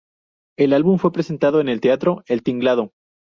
El álbum fue presentado en el teatro "El Tinglado"".